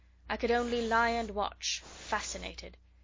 I could only lie and watch fascinated.